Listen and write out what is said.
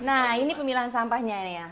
nah ini pemilahan sampahnya